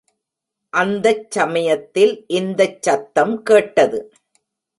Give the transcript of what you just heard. அந்தச் சமயத்தில் இந்தச் சத்தம் கேட்டது.